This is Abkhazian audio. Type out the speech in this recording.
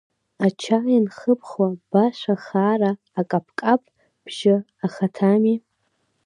Ачаи анхыбхуа башәа хаара, акаԥкаԥ бжьы ахаҭами?